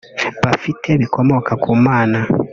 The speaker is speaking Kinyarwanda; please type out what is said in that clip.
bafite bikomoka ku Imana